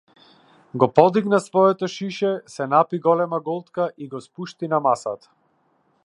Го подигна своето шише, се напи голема голтка и го спушти на масата.